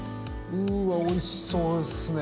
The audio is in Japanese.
うわおいしそうですね！